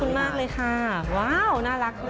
ขอบคุณมากเลยค่ะว้าวน่ารักครับ